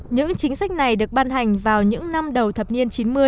những chính sách này được ban hành vào những năm đầu thập niên chín mươi